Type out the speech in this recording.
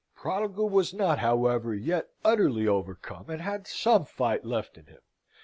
Prodigal was not, however, yet utterly overcome, and had some fight left in him.